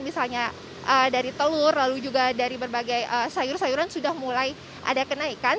misalnya dari telur lalu juga dari berbagai sayur sayuran sudah mulai ada kenaikan